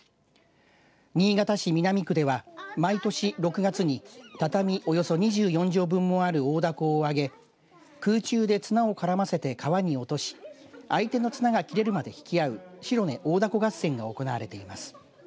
新潟市南区では毎年６月に畳およそ２４畳分もある大だこを揚げ空中で綱を絡ませて川に落とし相手の綱が切れるまで引き合う白根大凧合戦が行われています。